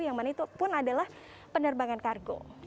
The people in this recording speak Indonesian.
yang mana itu pun adalah penerbangan kargo